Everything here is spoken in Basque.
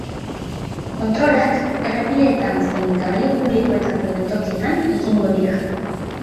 Kontrolak errepideetan zein garraio publikoetako geltokietan egingo dira.